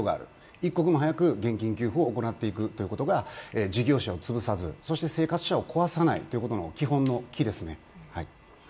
一刻も早く、現金給付をやっていくことが、事業者を潰さずそして生活者を壊さないということの基本の基ですね。